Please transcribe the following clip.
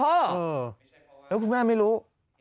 แล้วคุณแม่ไม่รู้